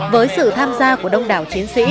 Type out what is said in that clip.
với sự tham gia của đông đảo chiến sĩ